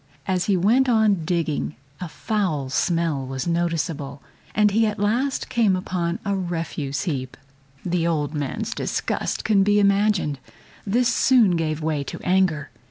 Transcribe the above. As he went on digging a foul smell was noticeable, and he at last came upon a refuse heap. The old man's disgust can be imagined. This soon gave way to anger.